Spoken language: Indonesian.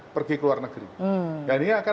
pergi ke luar negeri dan ini akan